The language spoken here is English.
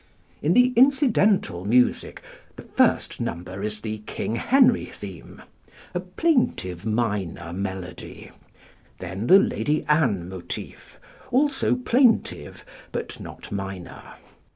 In the incidental music the first number is the King Henry theme, a plaintive minor melody; then the Lady Anne motif, also plaintive, but not minor.